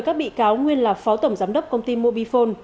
các bị cáo nguyên là phó tổng giám đốc công ty mobifone